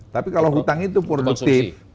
tapi kalau hutang itu produktif